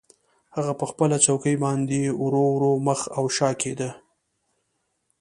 هغه په خپله څوکۍ باندې ورو ورو مخ او شا کیده